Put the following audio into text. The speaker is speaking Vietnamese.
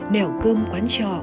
nèo cơm quán trò